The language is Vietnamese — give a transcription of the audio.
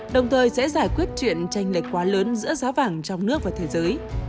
đồng thời sẽ giải quyết chuyện tranh lệch quá lớn giữa giá vàng trong nước và thế giới